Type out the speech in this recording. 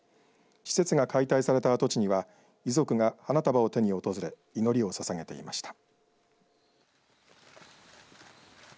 施設が解体された跡地には遺族が花束を手に訪れ祈りをささげていました。